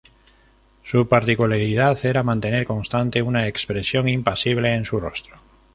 Su particularidad era mantener constante una expresión impasible en su rostro.